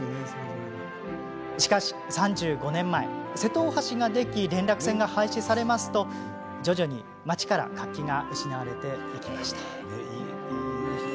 しかし、３５年前瀬戸大橋ができ連絡船が廃止されると、徐々に町から活気が失われていきました。